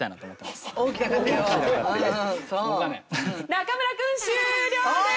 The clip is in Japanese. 中村君終了です！